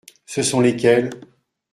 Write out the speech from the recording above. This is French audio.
Ce sont lesquels ?